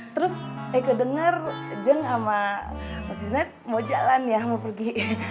terus eike dengar jun sama mas junaid mau jalan ya mau pergi